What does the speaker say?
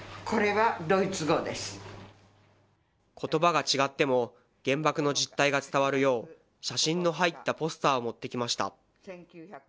ことばが違っても、原爆の実態が伝わるよう、写真の入ったポスターを持ってきました。